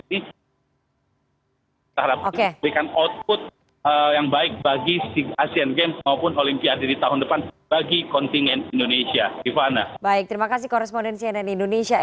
kita harapkan memberikan output yang baik bagi asean games maupun olimpiade di tahun depan bagi kontingen indonesia